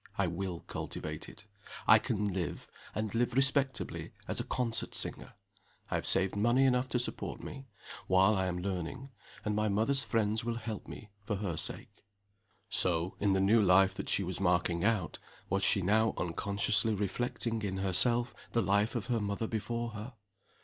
I will cultivate it! I can live, and live respectably, as a concert singer. I have saved money enough to support me, while I am learning and my mother's friends will help me, for her sake." So, in the new life that she was marking out, was she now unconsciously reflecting in herself the life of her mother before her.